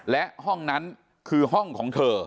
และห้องนั้นคือห้องของเธอ